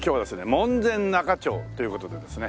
門前仲町という事でですね。